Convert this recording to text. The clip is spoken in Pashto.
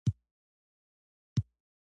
دغه سیسټم ته ډیجیټل سیسټم ویل کیږي.